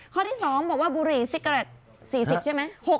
ข้อที่๒บอกว่าบุหรี่ซิกเกอเรด๔๐ใช่ไหม